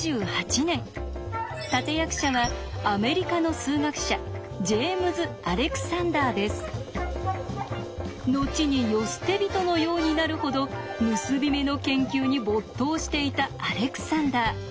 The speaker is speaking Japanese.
立て役者はアメリカの数学者後に世捨て人のようになるほど結び目の研究に没頭していたアレクサンダー。